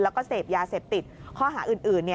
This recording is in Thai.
แล้วก็เสพยาเสพติดข้อหาอื่น